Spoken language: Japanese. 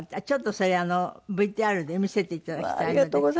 ちょっとそれＶＴＲで見せていただきたいので。